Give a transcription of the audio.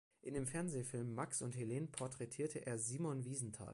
In dem Fernsehfilm "Max und Helen" porträtierte er Simon Wiesenthal.